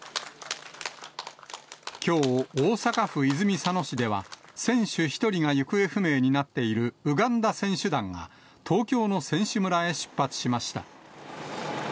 きょう、大阪府泉佐野市では選手１人が行方不明になっているウガンダ選手団が、東京の選手村へ出発しました。